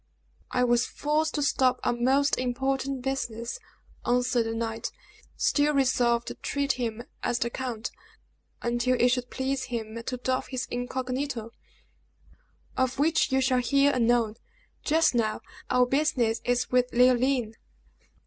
"I was forced to stop on most important business," answered the knight, still resolved to treat him as the count, until it should please him to doff his incognito, "of which you shall hear anon. Just now, our business is with Leoline."